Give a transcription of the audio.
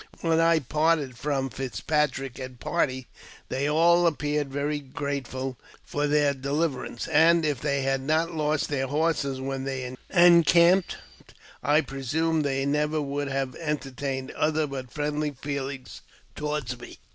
When I parted from Fitzpatrick and party, they all appeared very grateful for their deliverance, and, if they had not lost their horses when they encamped, I presume they never would have entertained other but friendly feelings toward me.